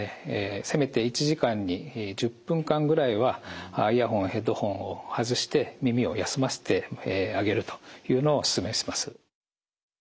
せめて１時間に１０分間ぐらいはイヤホン・ヘッドホンを外して耳を休ませてあげるというのをお勧めします。